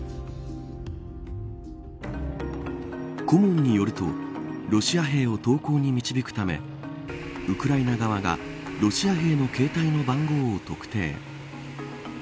顧問によるとロシア兵を投稿に導くためウクライナ側がロシア兵の携帯の番号を特定。